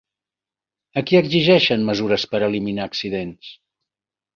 A qui exigeixen mesures per eliminar accidents?